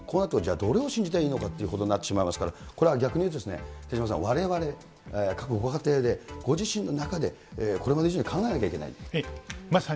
このあとどれを信じたらいいのかということになってしまいますから、これは逆に言うと、手嶋さん、われわれ、各ご家庭でご自身の中で、これまで以上に考えなきゃいけないと。